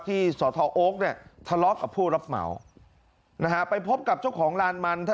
สทโอ๊คเนี่ยทะเลาะกับผู้รับเหมานะฮะไปพบกับเจ้าของลานมัน